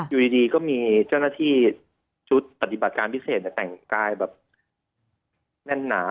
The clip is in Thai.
อยู่ดีก็มีเจ้าหน้าที่ชุดปฏิบัติการพิเศษแต่งกายแบบแน่นหนา